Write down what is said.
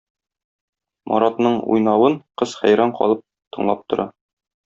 Маратның уйнавын кыз хәйран калып тыңлап тора.